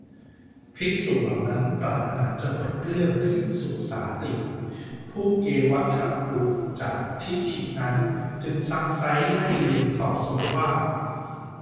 ภิกษุเหล่านั้นปรารถนาจะปลดเปลื้องภิกษุสาติ ผู้เกวัฏฏบุตรจากทิฏฐินั้นจึงซักไซ้ ไล่เลียงสอบสวนว่า